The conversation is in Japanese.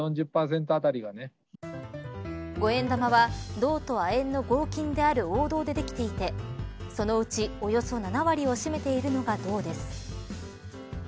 ５円玉は、銅と亜鉛の合金である亜鉛できていてそのうちおよそ７割を占めているのが銅です。